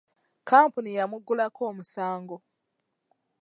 Kampuni yamuggulako omusango.